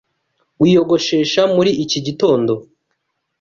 Wiyogoshesha muri iki gitondo?